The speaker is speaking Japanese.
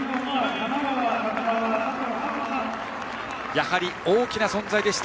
やはり大きな存在でした